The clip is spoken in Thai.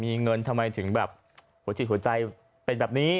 มีเงินทำไมถึงแบบหัวจิตหัวใจเป็นแบบนี้